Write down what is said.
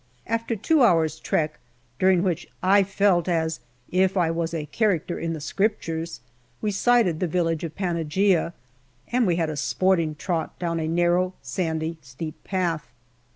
After two hours' trek, during which I felt as if I was a character in the Scriptures, we sighted the village of Panaghia, and we had a sporting trot down a narrow, sandy, steep path.